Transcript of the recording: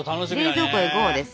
冷蔵庫へＧＯです。